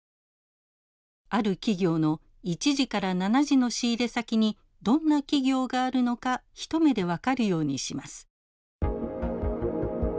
ある企業の１次から７次の仕入れ先にどんな企業があるのか一目で分かるようにします。